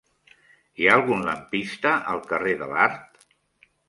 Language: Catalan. Hi ha algun lampista al carrer de l'Art?